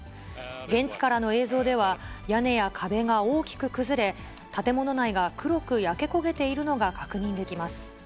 現地からの映像では、屋根や壁が大きく崩れ、建物内が黒く焼け焦げているのが確認できます。